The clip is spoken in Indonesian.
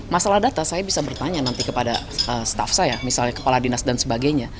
masalah data saya bisa bertanya nanti kepada staff saya misalnya kepala dinas dan sebagainya